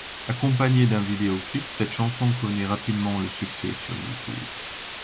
Accompagné d'un vidéo-clip, cette chanson connaît rapidement le succès sur YouTube.